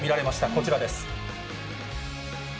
こちらです。